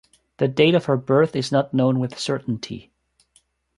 The date of her birth is not known with certainty.